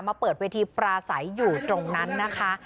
เปิดเวทีปราศัยอยู่ตรงนั้นนะคะ